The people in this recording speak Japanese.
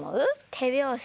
手拍子？